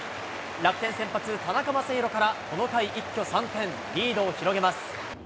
楽天先発、田中将大からこの回、一挙３点、リードを広げます。